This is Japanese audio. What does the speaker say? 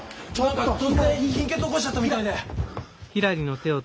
何か突然貧血起こしちゃったみたいで。